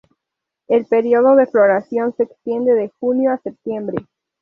El período de floración se extiende de junio a septiembre.